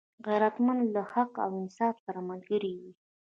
غیرتمند له حق او انصاف سره ملګری وي